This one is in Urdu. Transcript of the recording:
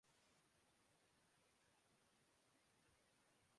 حفیظ کی اپنی کارکردگی ہی اتنی خراب ہے